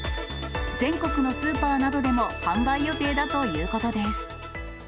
全国のスーパーなどでも販売予定だということです。